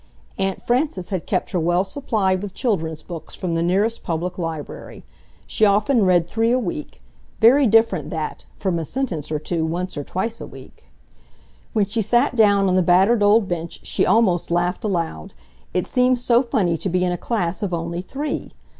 Aunt Frances had kept her well supplied with children's books from the nearest public library. She often read three a week—very different, that, from a sentence or two once or twice a week. When she sat down on the battered old bench she almost laughed aloud, it seemed so funny to be in a class of only three.